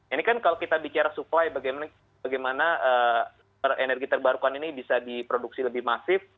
ini kan kalau kita bicara supply bagaimana energi terbarukan ini bisa diproduksi lebih masif